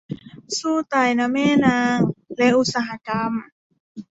สู้ตายนะแม่นางและอุตสาหกรรม